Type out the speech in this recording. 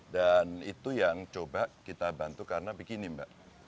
dan itu yang coba kita bantu karena begini mbak